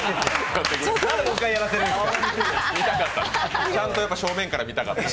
ちゃんと正面から見たかった。